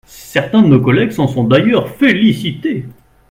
Certains de nos collègues s’en sont d’ailleurs félicités.